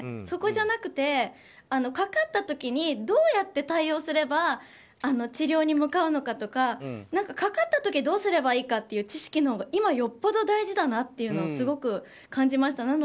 そこじゃなくてかかった時にどうやって対応すれば治療に向かうのかとかかかった時どうすればいいかっていう知識のほうが今よっぽど大事だなというのはすごく感じました。